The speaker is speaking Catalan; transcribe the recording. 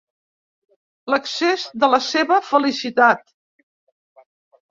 L'excés de la seva felicitat.